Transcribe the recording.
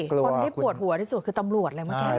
คนที่ปวดหัวที่สุดคือตำรวจเลย